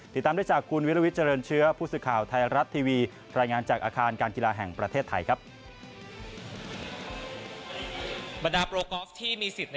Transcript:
ติดตามได้จากคุณวิลวิทย์เจริญเชื้อผู้ศึกข่าวไทยรัฐทีวี